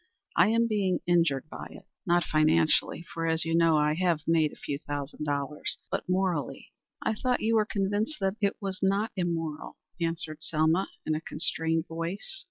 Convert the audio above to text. I am being injured by it not financially, for, as you know, I have made a few thousand dollars but morally." "I thought you were convinced that it was not immoral," answered Selma, in a constrained voice.